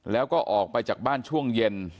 แล้วก็ออกไปจากบ้านช่วงเย็น